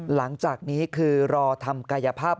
หลังจากนี้คือรอทำกายภาพ